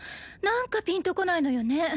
何かピンとこないのよね